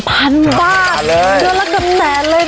เยอะละกันแนนเลยนะครับ